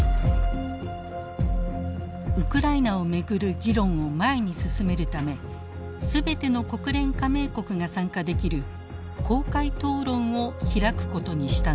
ウクライナを巡る議論を前に進めるため全ての国連加盟国が参加できる公開討論を開くことにしたのです。